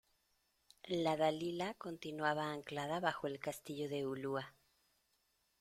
" la Dalila " continuaba anclada bajo el Castillo de Ulua